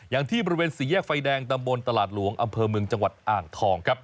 อย่างที่บริเวณสี่แยกไฟแดงตำบลตลาดหลวงอำเภอเมืองจังหวัดอ่างทองครับ